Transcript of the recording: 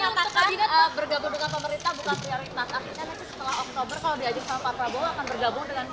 akhirnya nanti setelah oktober kalau diajukan pak prabowo akan bergabung dengan